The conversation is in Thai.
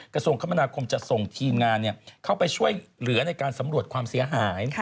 กระทรวงคมนาคมจะส่งทีมงานเข้าไปช่วยเหลือในการสำรวจความเสียหาย